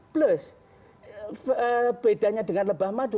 plus bedanya dengan lebah madu